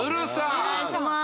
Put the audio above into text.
お願いします